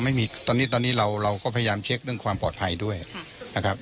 ไม่มีตอนนี้ตอนนี้เราเราก็พยายามเช็คเรื่องความปลอดภัยด้วยนะครับ